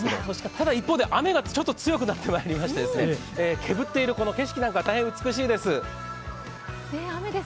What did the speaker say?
ただ一方で、雨がちょっと強くなってまいりまして、けむっているこの景色なんか、大変美しいです。